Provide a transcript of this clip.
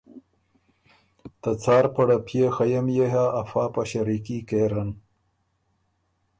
ته څاړ پړپئے خئ ام يې هۀ افا په ݭریکي کېرن۔